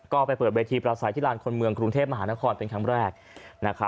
ก็ไปเปิดเวทีประสัยที่ลานคนเมืองกรุงเทพมหานครเป็นครั้งแรก